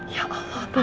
ya allah tuhan